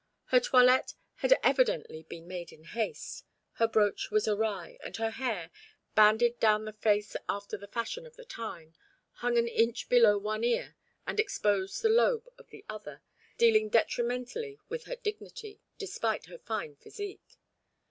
Her toilette had evidently been made in haste: her brooch was awry; and her hair, banded down the face after the fashion of the time, hung an inch below one ear and exposed the lobe of the other, dealing detrimentally with her dignity, despite her fine physique.